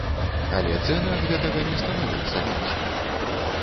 Але цэны ад гэтага не становяцца меншымі.